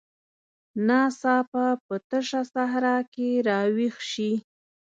ناڅاپه په تشه صحرا کې راویښ شي.